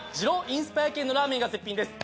インスパイア系のラーメンが絶品です